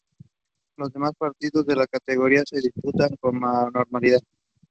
Male residents of Rupganj went into hiding fearing arrest following the filing of cases.